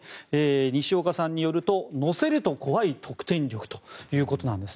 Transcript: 西岡さんによると乗せると怖い得点力です。